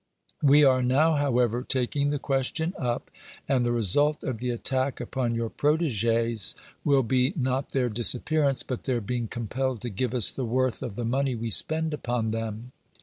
We are now, however, taking the question up, and the result of the attack upon your protégés will be, not their disappearance, but their being compelled to give us the worth of the money we spend upon them.